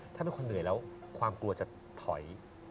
ถ้าเป็นคนเหนื่อยแล้วความกลัวจะถอย